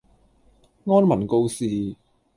安民告示